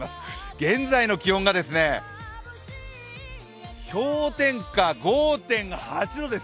現在の気温が氷点下５．８度です。